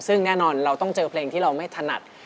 ซึ่งแน่นอนเราต้องเจอเพลงที่เราไม่ถนัด